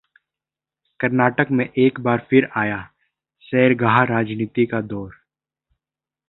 कर्नाटक में एक बार फिर आया सैरगाह राजनीति का दौर